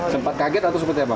sempat kaget atau seperti apa